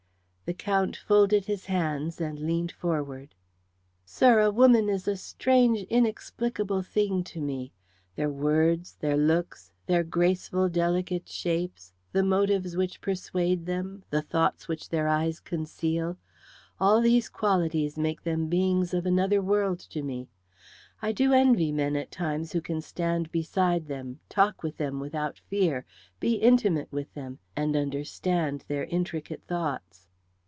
The Count folded his hands and leaned forward. "Sir, a woman is a strange inexplicable thing to me. Their words, their looks, their graceful, delicate shapes, the motives which persuade them, the thoughts which their eyes conceal, all these qualities make them beings of another world to me. I do envy men at times who can stand beside them, talk with them without fear, be intimate with them, and understand their intricate thoughts."